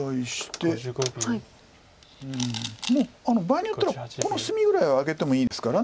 場合によったらこの隅ぐらいはあげてもいいですから。